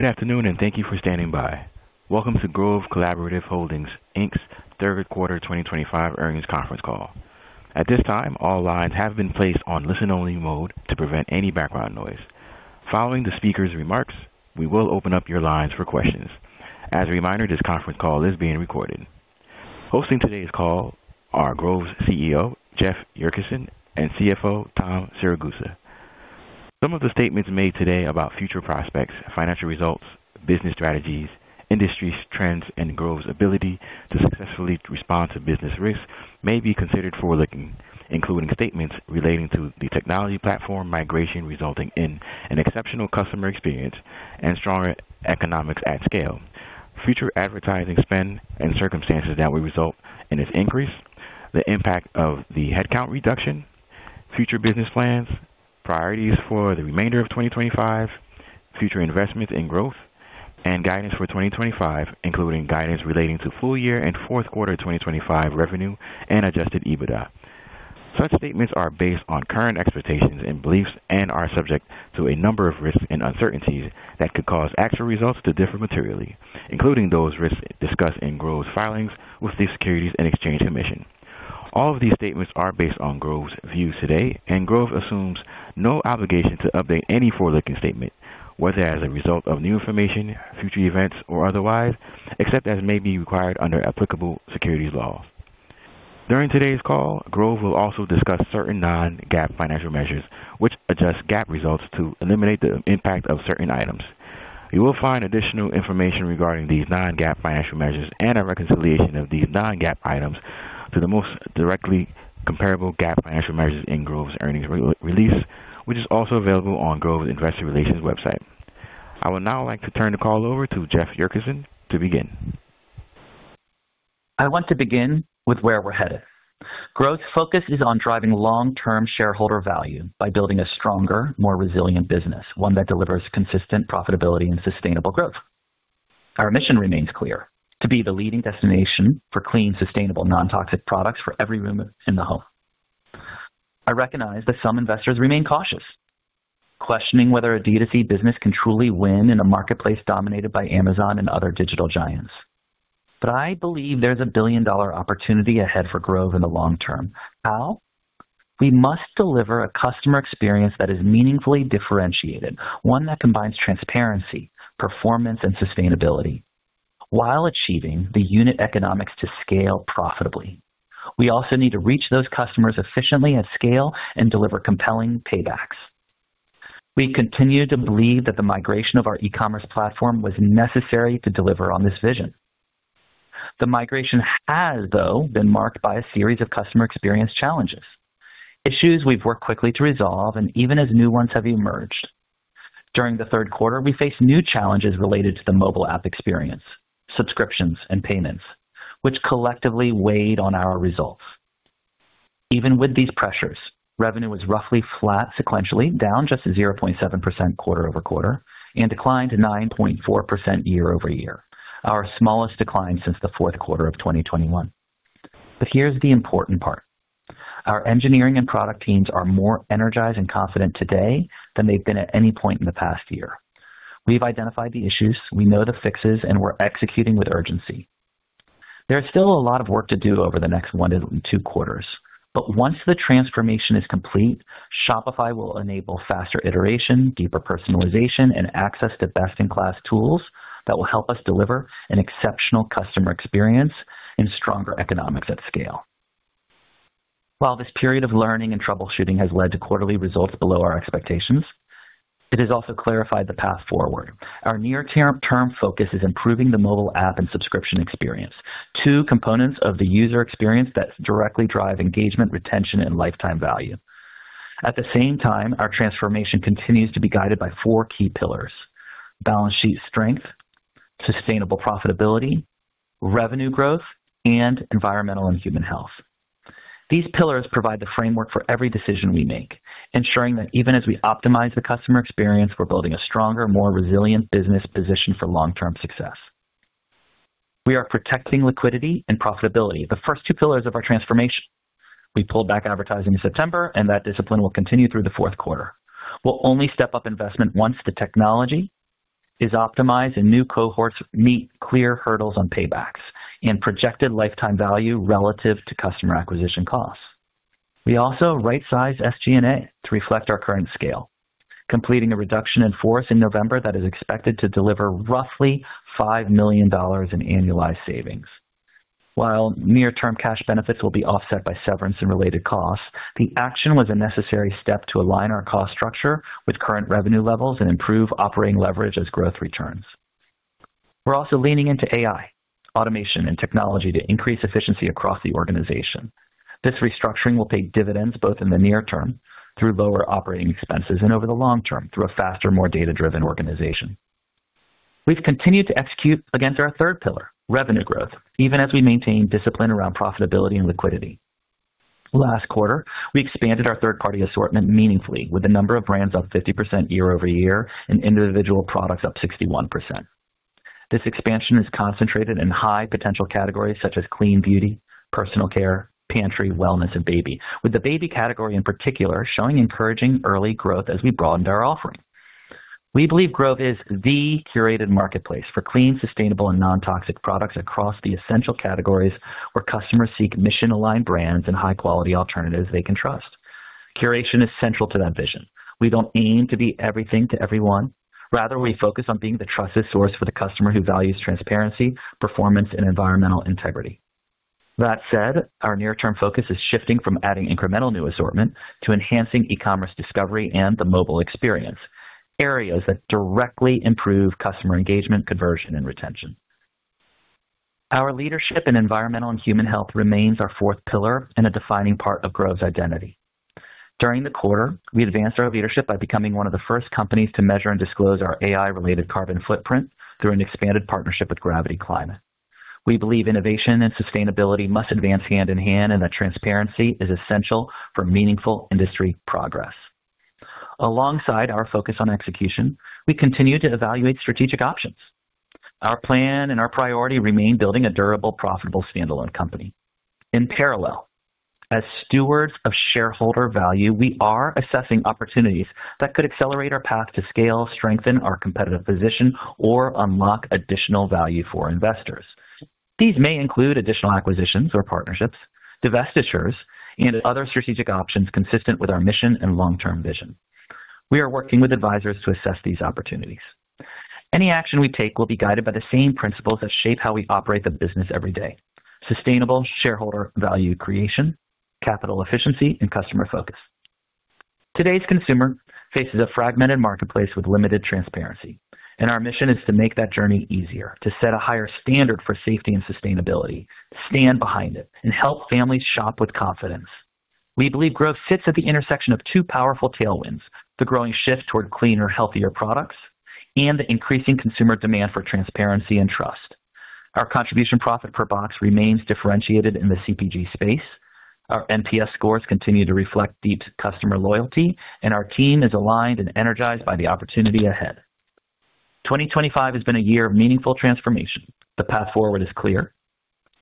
Good afternoon and thank you for standing by. Welcome to Grove Collaborative Holdings Inc's third quarter 2025 earnings conference call. At this time, all lines have been placed on listen-only mode to prevent any background noise. Following the speaker's remarks, we will open up your lines for questions. As a reminder, this conference call is being recorded. Hosting today's call are Grove's CEO, Jeff Yurcisin, and CFO, Tom Siragusa. Some of the statements made today about future prospects, financial results, business strategies, industry trends, and Grove's ability to successfully respond to business risks may be considered forward-looking, including statements relating to the technology platform migration resulting in an exceptional customer experience and stronger economics at scale, future advertising spend and circumstances that will result in its increase, the impact of the headcount reduction, future business plans, priorities for the remainder of 2025, future investments in growth, and guidance for 2025, including guidance relating to full year and fourth quarter 2025 revenue and adjusted EBITDA. Such statements are based on current expectations and beliefs and are subject to a number of risks and uncertainties that could cause actual results to differ materially, including those risks discussed in Grove's filings with the Securities and Exchange Commission. All of these statements are based on Grove's views today, and Grove assumes no obligation to update any forward-looking statement, whether as a result of new information, future events, or otherwise, except as may be required under applicable securities law. During today's call, Grove will also discuss certain non-GAAP financial measures which adjust GAAP results to eliminate the impact of certain items. You will find additional information regarding these non-GAAP financial measures and a reconciliation of these non-GAAP items to the most directly comparable GAAP financial measures in Grove's earnings release, which is also available on Grove's investor relations website. I would now like to turn the call over to Jeff Yurcisin to begin. I want to begin with where we're headed. Grove's focus is on driving long-term shareholder value by building a stronger, more resilient business, one that delivers consistent profitability and sustainable growth. Our mission remains clear: to be the leading destination for clean, sustainable, non-toxic products for every room in the home. I recognize that some investors remain cautious, questioning whether a D2C business can truly win in a marketplace dominated by Amazon and other digital giants. I believe there's a billion-dollar opportunity ahead for Grove in the long term. How? We must deliver a customer experience that is meaningfully differentiated, one that combines transparency, performance, and sustainability while achieving the unit economics to scale profitably. We also need to reach those customers efficiently at scale and deliver compelling paybacks. We continue to believe that the migration of our e-commerce platform was necessary to deliver on this vision. The migration has, though, been marked by a series of customer experience challenges, issues we've worked quickly to resolve, and even as new ones have emerged. During the third quarter, we faced new challenges related to the mobile app experience, subscriptions, and payments, which collectively weighed on our results. Even with these pressures, revenue was roughly flat sequentially, down just 0.7% quarter-over-quarter and declined 9.4% year-over-year, our smallest decline since the fourth quarter of 2021. Here's the important part: our engineering and product teams are more energized and confident today than they've been at any point in the past year. We've identified the issues, we know the fixes, and we're executing with urgency. There is still a lot of work to do over the next one to two quarters, but once the transformation is complete, Shopify will enable faster iteration, deeper personalization, and access to best-in-class tools that will help us deliver an exceptional customer experience and stronger economics at scale. While this period of learning and troubleshooting has led to quarterly results below our expectations, it has also clarified the path forward. Our near-term focus is improving the mobile app and subscription experience, two components of the user experience that directly drive engagement, retention, and lifetime value. At the same time, our transformation continues to be guided by four key pillars: balance sheet strength, sustainable profitability, revenue growth, and environmental and human health. These pillars provide the framework for every decision we make, ensuring that even as we optimize the customer experience, we're building a stronger, more resilient business position for long-term success. We are protecting liquidity and profitability, the first two pillars of our transformation. We pulled back advertising in September, and that discipline will continue through the fourth quarter. We'll only step up investment once the technology is optimized and new cohorts meet clear hurdles on paybacks and projected lifetime value relative to customer acquisition costs. We also right-sized SG&A to reflect our current scale, completing a reduction in force in November that is expected to deliver roughly $5 million in annualized savings. While near-term cash benefits will be offset by severance and related costs, the action was a necessary step to align our cost structure with current revenue levels and improve operating leverage as growth returns. We're also leaning into AI, automation, and technology to increase efficiency across the organization. This restructuring will pay dividends both in the near term through lower operating expenses and over the long term through a faster, more data-driven organization. We've continued to execute against our third pillar, revenue growth, even as we maintain discipline around profitability and liquidity. Last quarter, we expanded our third-party assortment meaningfully, with the number of brands up 50% year-over-year and individual products up 61%. This expansion is concentrated in high-potential categories such as Clean Beauty, Personal Care, Pantry, Wellness, and Baby, with the Baby category in particular showing encouraging early growth as we broadened our offering. We believe Grove is the curated marketplace for clean, sustainable, and non-toxic products across the essential categories where customers seek mission-aligned brands and high-quality alternatives they can trust. Curation is central to that vision. We don't aim to be everything to everyone. Rather, we focus on being the trusted source for the customer who values transparency, performance, and environmental integrity. That said, our near-term focus is shifting from adding incremental new assortment to enhancing e-commerce discovery and the mobile experience, areas that directly improve customer engagement, conversion, and retention. Our leadership in environmental and human health remains our fourth pillar and a defining part of Grove's identity. During the quarter, we advanced our leadership by becoming one of the first companies to measure and disclose our AI-related carbon footprint through an expanded partnership with Gravity Climate. We believe innovation and sustainability must advance hand in hand, and that transparency is essential for meaningful industry progress. Alongside our focus on execution, we continue to evaluate strategic options. Our plan and our priority remain building a durable, profitable standalone company. In parallel, as stewards of shareholder value, we are assessing opportunities that could accelerate our path to scale, strengthen our competitive position, or unlock additional value for investors. These may include additional acquisitions or partnerships, divestitures, and other strategic options consistent with our mission and long-term vision. We are working with advisors to assess these opportunities. Any action we take will be guided by the same principles that shape how we operate the business every day: sustainable shareholder value creation, capital efficiency, and customer focus. Today's consumer faces a fragmented marketplace with limited transparency, and our mission is to make that journey easier, to set a higher standard for safety and sustainability, stand behind it, and help families shop with confidence. We believe Grove sits at the intersection of two powerful tailwinds: the growing shift toward cleaner, healthier products and the increasing consumer demand for transparency and trust. Our contribution profit per box remains differentiated in the CPG space. Our NPS scores continue to reflect deep customer loyalty, and our team is aligned and energized by the opportunity ahead. 2025 has been a year of meaningful transformation. The path forward is clear: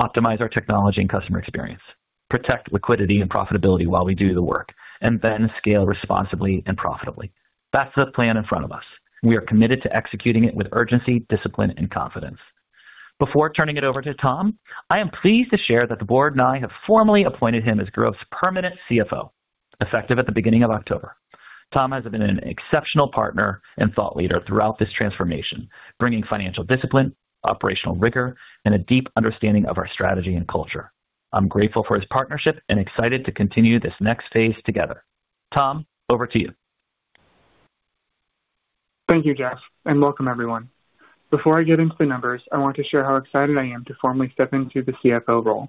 optimize our technology and customer experience, protect liquidity and profitability while we do the work, and then scale responsibly and profitably. That's the plan in front of us. We are committed to executing it with urgency, discipline, and confidence. Before turning it over to Tom, I am pleased to share that the board and I have formally appointed him as Grove's permanent CFO, effective at the beginning of October. Tom has been an exceptional partner and thought leader throughout this transformation, bringing financial discipline, operational rigor, and a deep understanding of our strategy and culture. I'm grateful for his partnership and excited to continue this next phase together. Tom, over to you. Thank you, Jeff, and welcome, everyone. Before I get into the numbers, I want to share how excited I am to formally step into the CFO role.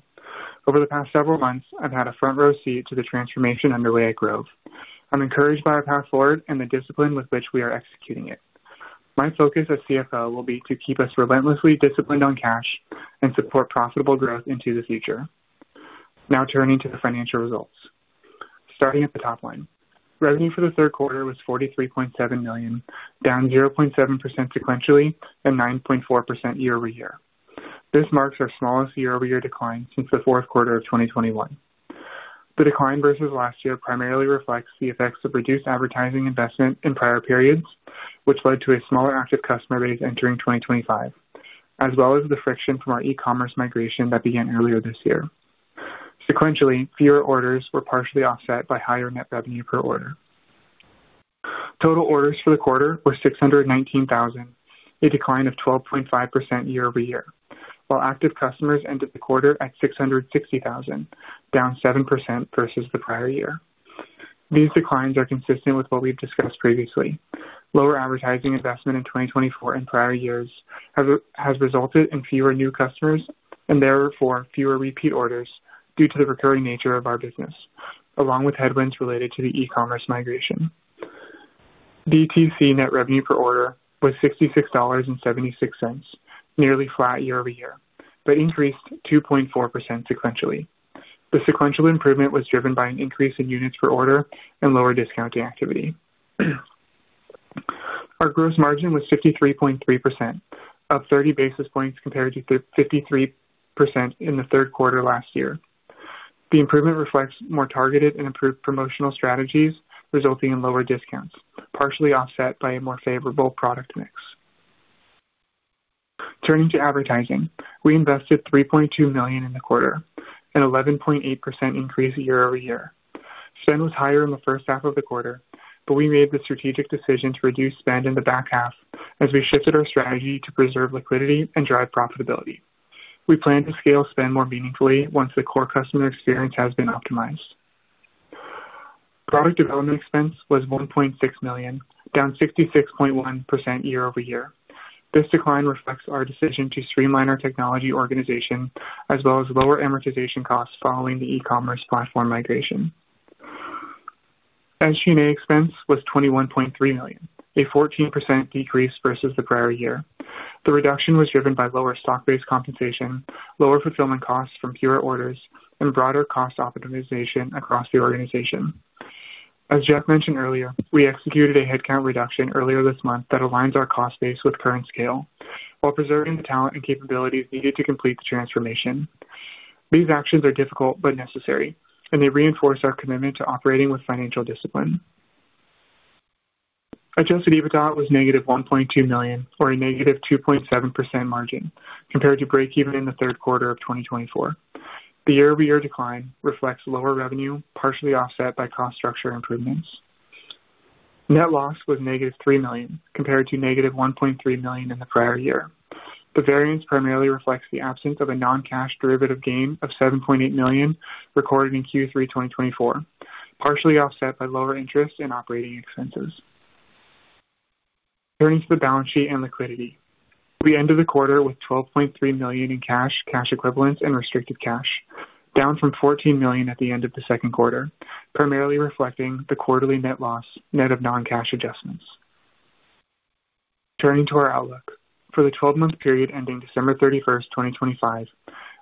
Over the past several months, I've had a front-row seat to the transformation underway at Grove. I'm encouraged by our path forward and the discipline with which we are executing it. My focus as CFO will be to keep us relentlessly disciplined on cash and support profitable growth into the future. Now turning to the financial results. Starting at the top line, revenue for the third quarter was $43.7 million, down 0.7% sequentially and 9.4% year-over-year. This marks our smallest year-over-year decline since the fourth quarter of 2021. The decline versus last year primarily reflects the effects of reduced advertising investment in prior periods, which led to a smaller active customer base entering 2025, as well as the friction from our e-commerce migration that began earlier this year. Sequentially, fewer orders were partially offset by higher net revenue per order. Total orders for the quarter were 619,000, a decline of 12.5% year-over-year, while active customers ended the quarter at 660,000, down 7% versus the prior year. These declines are consistent with what we've discussed previously. Lower advertising investment in 2024 and prior years has resulted in fewer new customers and therefore fewer repeat orders due to the recurring nature of our business, along with headwinds related to the e-commerce migration. DTC net revenue per order was $66.76, nearly flat year-over-year, but increased 2.4% sequentially. The sequential improvement was driven by an increase in units per order and lower discounting activity. Our gross margin was 53.3%, up 30 basis points compared to 53% in the third quarter last year. The improvement reflects more targeted and improved promotional strategies, resulting in lower discounts, partially offset by a more favorable product mix. Turning to advertising, we invested $3.2 million in the quarter, an 11.8% increase year-over-year. Spend was higher in the first half of the quarter, but we made the strategic decision to reduce spend in the back half as we shifted our strategy to preserve liquidity and drive profitability. We plan to scale spend more meaningfully once the core customer experience has been optimized. Product development expense was $1.6 million, down 66.1% year-over-year. This decline reflects our decision to streamline our technology organization as well as lower amortization costs following the e-commerce platform migration. SG&A expense was $21.3 million, a 14% decrease versus the prior year. The reduction was driven by lower stock-based compensation, lower fulfillment costs from fewer orders, and broader cost optimization across the organization. As Jeff mentioned earlier, we executed a headcount reduction earlier this month that aligns our cost base with current scale while preserving the talent and capabilities needed to complete the transformation. These actions are difficult but necessary, and they reinforce our commitment to operating with financial discipline. Adjusted EBITDA was $-1.2 million, or a -2.7% margin, compared to breakeven in the third quarter of 2024. The year-over-year decline reflects lower revenue, partially offset by cost structure improvements. Net loss was $-3 million, compared to $-1.3 million in the prior year. The variance primarily reflects the absence of a non-cash derivative gain of $7.8 million recorded in Q3 2024, partially offset by lower interest and operating expenses. Turning to the balance sheet and liquidity, we ended the quarter with $12.3 million in cash, cash equivalents, and restricted cash, down from $14 million at the end of the second quarter, primarily reflecting the quarterly net loss net of non-cash adjustments. Turning to our outlook, for the 12-month period ending December 31st, 2025,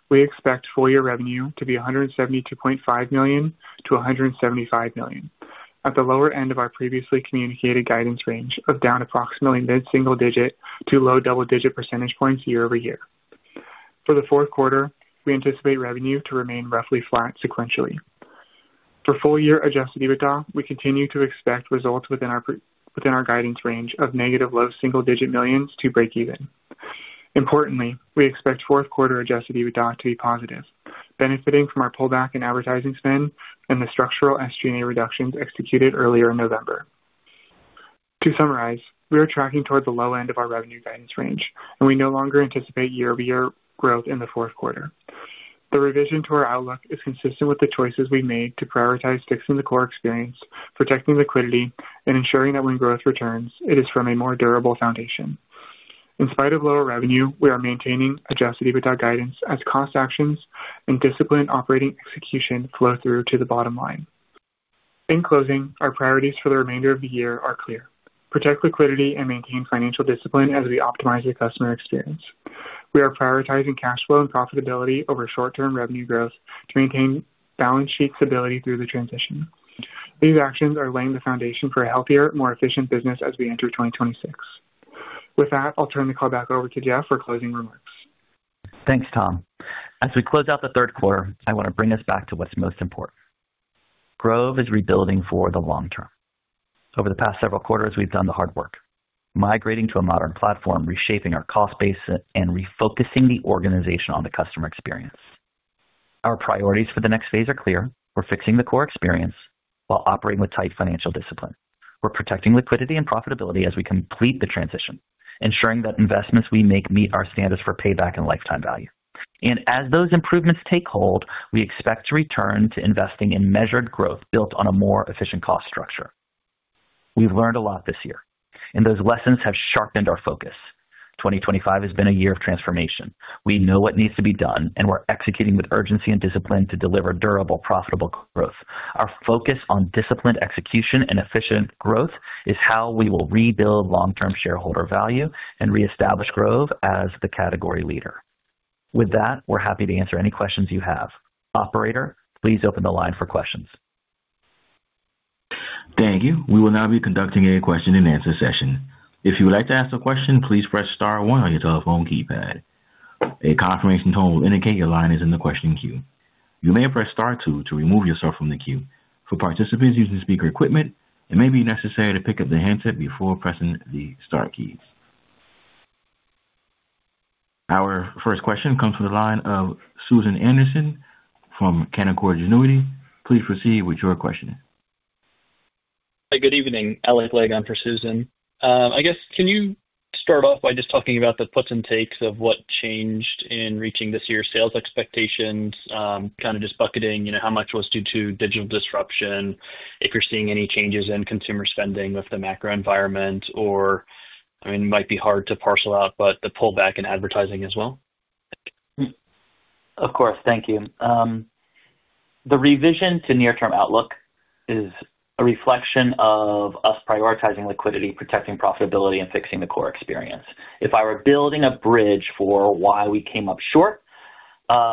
we expect full-year revenue to be $172.5 million-$175 million, at the lower end of our previously communicated guidance range of down approximately mid-single-digit to low double-digit percentage points year-over-year. For the fourth quarter, we anticipate revenue to remain roughly flat sequentially. For full-year adjusted EBITDA, we continue to expect results within our guidance range of negative low single-digit millions to breakeven. Importantly, we expect fourth-quarter adjusted EBITDA to be positive, benefiting from our pullback in advertising spend and the structural SG&A reductions executed earlier in November. To summarize, we are tracking toward the low end of our revenue guidance range, and we no longer anticipate year-over-year growth in the fourth quarter. The revision to our outlook is consistent with the choices we made to prioritize fixing the core experience, protecting liquidity, and ensuring that when growth returns, it is from a more durable foundation. In spite of lower revenue, we are maintaining adjusted EBITDA guidance as cost actions and discipline operating execution flow through to the bottom line. In closing, our priorities for the remainder of the year are clear: protect liquidity and maintain financial discipline as we optimize the customer experience. We are prioritizing cash flow and profitability over short-term revenue growth to maintain balance sheet stability through the transition. These actions are laying the foundation for a healthier, more efficient business as we enter 2026. With that, I'll turn the call back over to Jeff for closing remarks. Thanks, Tom. As we close out the third quarter, I want to bring us back to what's most important. Grove is rebuilding for the long term. Over the past several quarters, we've done the hard work: migrating to a modern platform, reshaping our cost base, and refocusing the organization on the customer experience. Our priorities for the next phase are clear. We're fixing the core experience while operating with tight financial discipline. We're protecting liquidity and profitability as we complete the transition, ensuring that investments we make meet our standards for payback and lifetime value. As those improvements take hold, we expect to return to investing in measured growth built on a more efficient cost structure. We've learned a lot this year, and those lessons have sharpened our focus. 2025 has been a year of transformation. We know what needs to be done, and we're executing with urgency and discipline to deliver durable, profitable growth. Our focus on disciplined execution and efficient growth is how we will rebuild long-term shareholder value and reestablish Grove as the category leader. With that, we're happy to answer any questions you have. Operator, please open the line for questions. Thank you. We will now be conducting a question-and-answer session. If you would like to ask a question, please press star one on your telephone keypad. A confirmation tone will indicate your line is in the question queue. You may press star two to remove yourself from the queue. For participants using speaker equipment, it may be necessary to pick up the handset before pressing the star keys. Our first question comes from the line of Susan Anderson from Canaccord Genuity. Please proceed with your question. Hi, good evening. Alex Leg on for Susan. I guess, can you start off by just talking about the puts and takes of what changed in reaching this year's sales expectations, kind of just bucketing how much was due to digital disruption, if you're seeing any changes in consumer spending with the macro environment, or, I mean, it might be hard to parcel out, but the pullback in advertising as well? Of course. Thank you. The revision to near-term outlook is a reflection of us prioritizing liquidity, protecting profitability, and fixing the core experience. If I were building a bridge for why we came up short,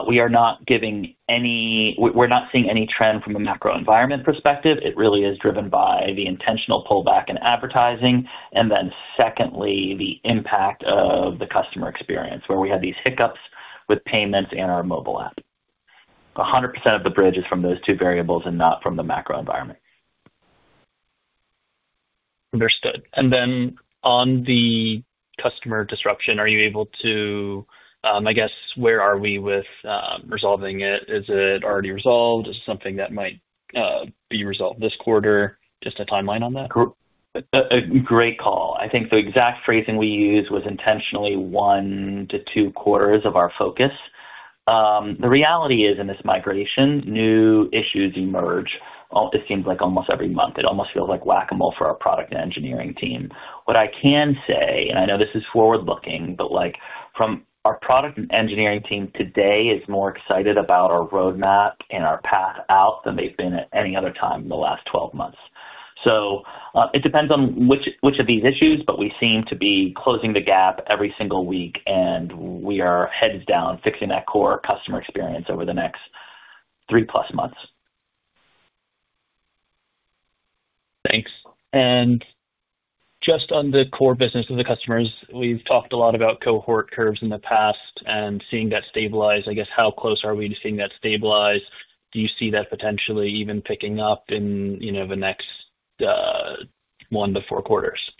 we are not giving any—we're not seeing any trend from a macro environment perspective. It really is driven by the intentional pullback in advertising and then, secondly, the impact of the customer experience where we had these hiccups with payments and our mobile app. 100% of the bridge is from those two variables and not from the macro environment. Understood. On the customer disruption, are you able to—I guess, where are we with resolving it? Is it already resolved? Is it something that might be resolved this quarter? Just a timeline on that. Great call. I think the exact phrasing we used was intentionally one to two quarters of our focus. The reality is, in this migration, new issues emerge, it seems like, almost every month. It almost feels like whack-a-mole for our product and engineering team. What I can say, and I know this is forward-looking, but from our product and engineering team today is more excited about our roadmap and our path out than they've been at any other time in the last 12 months. It depends on which of these issues, but we seem to be closing the gap every single week, and we are heads down fixing that core customer experience over the next 3+ months. Thanks. Just on the core business of the customers, we've talked a lot about cohort curves in the past and seeing that stabilize. I guess, how close are we to seeing that stabilize? Do you see that potentially even picking up in the next one to four quarters?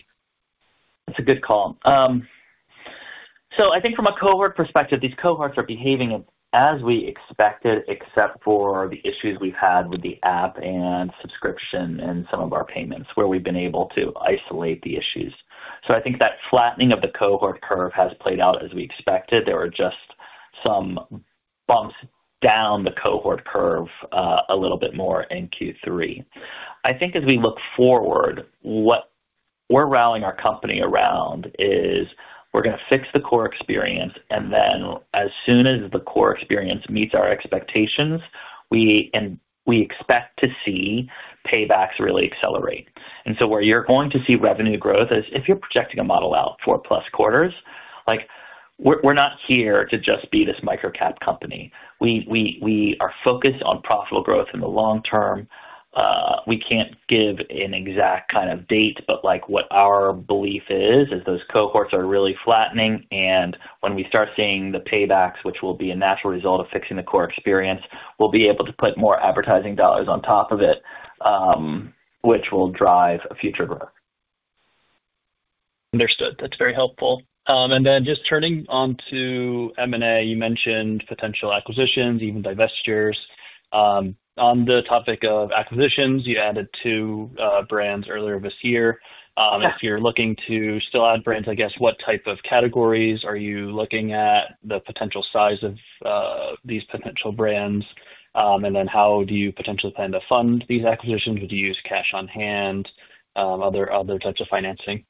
That's a good call. I think from a cohort perspective, these cohorts are behaving as we expected, except for the issues we've had with the app and subscription and some of our payments where we've been able to isolate the issues. I think that flattening of the cohort curve has played out as we expected. There were just some bumps down the cohort curve a little bit more in Q3. I think as we look forward, what we're rallying our company around is we're going to fix the core experience, and then as soon as the core experience meets our expectations, we expect to see paybacks really accelerate. Where you're going to see revenue growth is if you're projecting a model out four-plus quarters, we're not here to just be this microcap company. We are focused on profitable growth in the long term. We can't give an exact kind of date, but what our belief is is those cohorts are really flattening, and when we start seeing the paybacks, which will be a natural result of fixing the core experience, we'll be able to put more advertising dollars on top of it, which will drive future growth. Understood. That is very helpful. Turning on to M&A, you mentioned potential acquisitions, even divestitures. On the topic of acquisitions, you added two brands earlier this year. If you are looking to still add brands, I guess, what type of categories are you looking at, the potential size of these potential brands, and then how do you potentially plan to fund these acquisitions? Would you use cash on hand, other types of financing?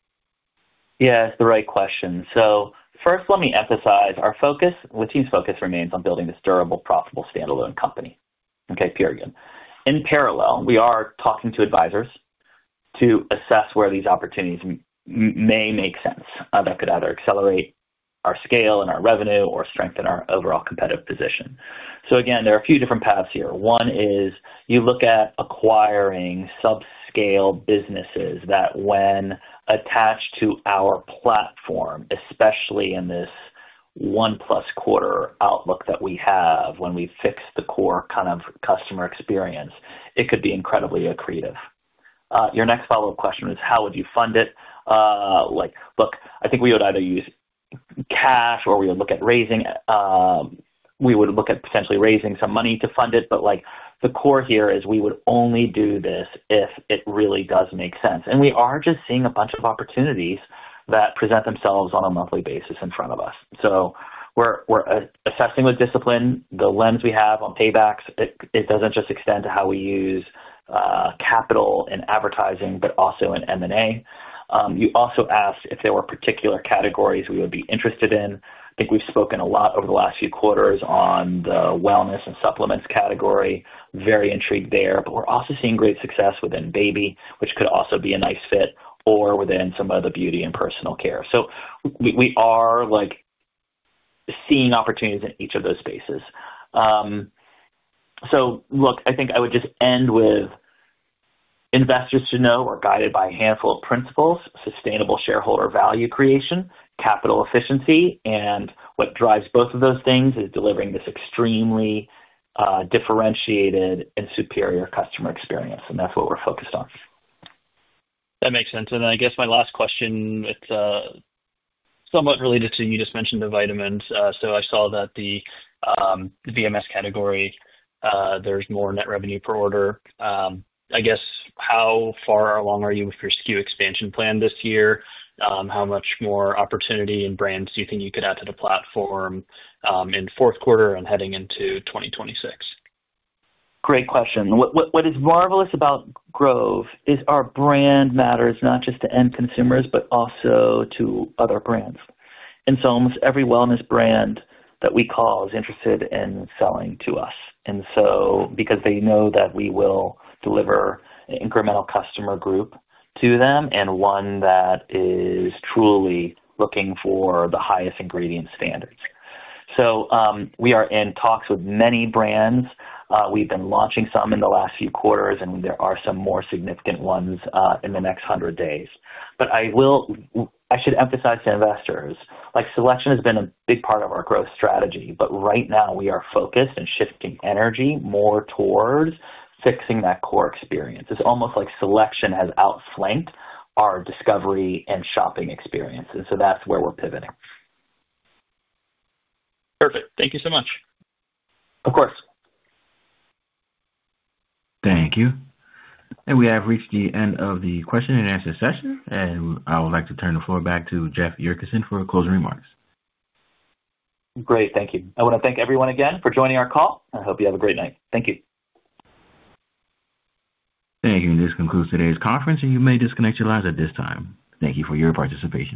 Yeah, that's the right question. First, let me emphasize our focus—the team's focus remains on building this durable, profitable standalone company. Period. In parallel, we are talking to advisors to assess where these opportunities may make sense that could either accelerate our scale and our revenue or strengthen our overall competitive position. Again, there are a few different paths here. One is you look at acquiring subscale businesses that, when attached to our platform, especially in this 1+ quarter outlook that we have when we fix the core kind of customer experience, it could be incredibly accretive. Your next follow-up question is, how would you fund it? Look, I think we would either use cash or we would look at raising—we would look at potentially raising some money to fund it. The core here is we would only do this if it really does make sense. We are just seeing a bunch of opportunities that present themselves on a monthly basis in front of us. We are assessing with discipline. The lens we have on paybacks does not just extend to how we use capital in advertising, but also in M&A. You also asked if there were particular categories we would be interested in. I think we have spoken a lot over the last few quarters on the wellness and supplements category. Very intrigued there. We are also seeing great success within baby, which could also be a nice fit, or within some of the beauty and personal care. We are seeing opportunities in each of those spaces. I think I would just end with investors to know we're guided by a handful of principles: sustainable shareholder value creation, capital efficiency, and what drives both of those things is delivering this extremely differentiated and superior customer experience. That's what we're focused on. That makes sense. I guess my last question, it's somewhat related to—you just mentioned the vitamins. I saw that the VMS category, there's more net revenue per order. I guess, how far along are you with your SKU expansion plan this year? How much more opportunity and brands do you think you could add to the platform in fourth quarter and heading into 2026? Great question. What is marvelous about Grove is our brand matters not just to end consumers, but also to other brands. Almost every wellness brand that we call is interested in selling to us. They know that we will deliver an incremental customer group to them and one that is truly looking for the highest ingredient standards. We are in talks with many brands. We've been launching some in the last few quarters, and there are some more significant ones in the next 100 days. I should emphasize to investors, selection has been a big part of our growth strategy, but right now we are focused and shifting energy more towards fixing that core experience. It's almost like selection has outflanked our discovery and shopping experience. That's where we're pivoting. Perfect. Thank you so much. Of course. Thank you. We have reached the end of the question-and-answer session, and I would like to turn the floor back to Jeff Yurcisin for closing remarks. Great. Thank you. I want to thank everyone again for joining our call. I hope you have a great night. Thank you. Thank you. This concludes today's conference, and you may disconnect your lines at this time. Thank you for your participation.